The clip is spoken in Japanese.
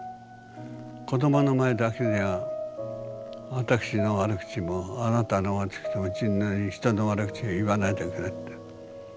子どもの前だけでは私の悪口もあなたの悪口も人の悪口も言わないでくれって。